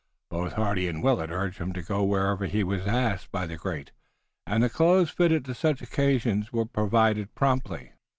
Both Hardy and Willet urged him to go wherever he was asked by the great, and clothes fitted to such occasions were provided promptly.